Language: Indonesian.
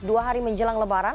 dua hari menjelang lebaran